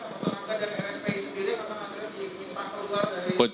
pasang perangkatnya dikipas keluar dari